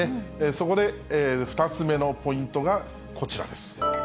そこで、２つ目のポイントがこちらです。